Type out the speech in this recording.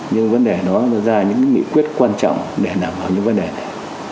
những vấn đề đó nó ra những nghị quyết quan trọng để đảm bảo những vấn đề này